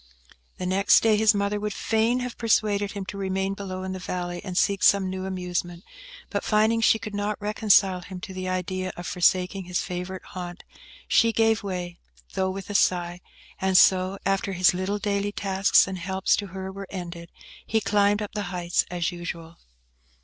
The next day, his mother would fain have persuaded him to remain below in the valley, and seek some new amusement, but finding she could not reconcile him to the idea of forsaking his favourite haunt, she gave way, though with a sigh; and so, after his little daily tasks and helps to her were ended, he climbed up the heights as usual.